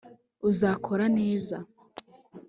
uzakora neza